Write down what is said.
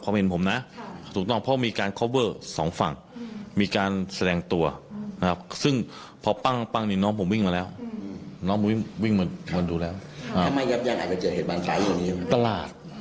ทำไมกระโจงนี้ได้ยิงเข้าตลาด